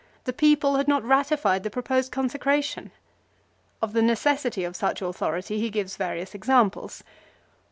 The people had not ratified the pro posed consecration. Of the necessity of such authority he gives various examples.